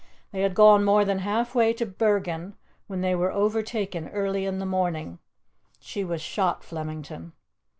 They had gone more than half way to Bergen when they were overtaken, early in the morning. She was shot, Flemington.